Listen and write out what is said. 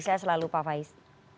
saya selalu pak faiz